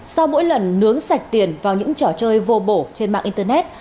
sau mỗi lần nướng sạch tiền vào những trò chơi vô bổ trên mạng internet